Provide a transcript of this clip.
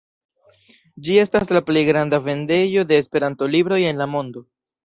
Ĝi estas la plej granda vendejo de Esperanto-libroj en la mondo.